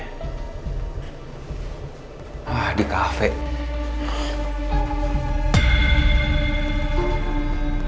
teh kamu baru masuk ke rumah wellington